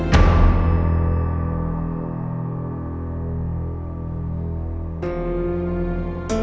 malin jangan lupa